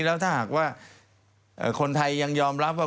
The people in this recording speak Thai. แล้วถ้าหากว่าคนไทยยังยอมรับว่า